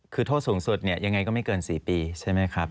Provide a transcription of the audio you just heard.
คือโทษสูงสุดเนี่ยยังไงก็ไม่เกิน๔ปีใช่ไหมครับ